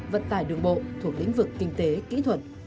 vận tải đường bộ thuộc lĩnh vực kinh tế kỹ thuật